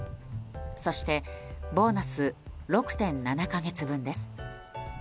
そしてボーナス６．７か月分です。